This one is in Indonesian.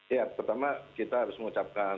ya pertama kita harus mengucapkan